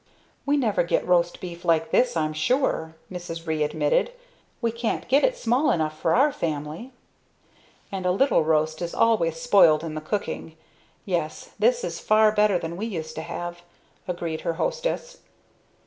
"We never get roast beef like this I'm sure," Mrs. Ree admitted, "we can't get it small enough for our family." "And a little roast is always spoiled in the cooking. Yes this is far better than we used to have," agreed her hostess.